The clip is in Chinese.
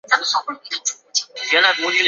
林肯县是美国奥克拉荷马州中部的一个县。